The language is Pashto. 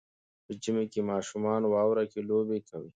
په ژمي کې ماشومان واوره کې لوبې کوي.